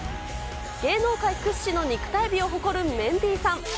芸能界屈指の肉体美を誇るメンディーさん。